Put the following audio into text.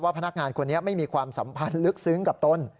พนักงานคนนี้ไม่มีความสัมพันธ์ลึกซึ้งกับตน